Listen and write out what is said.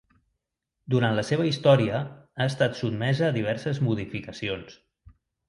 Durant la seva història ha estat sotmesa a diverses modificacions.